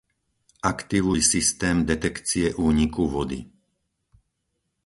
Aktivuj systém detekcie úniku vody.